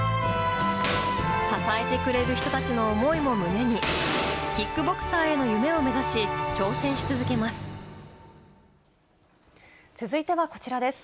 支えてくれる人たちの思いも胸に、キックボクサーへの夢を目指し、挑戦し続けます。